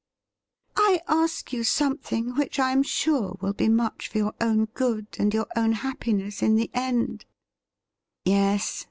' I ask you something which I am sure will be much for your own good and your own happiness in the end ''' Yes